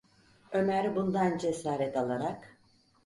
Ömer bundan cesaret alarak: